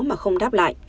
mà không đáp lại